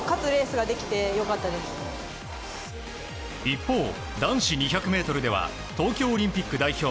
一方、男子２００ｍでは東京オリンピック代表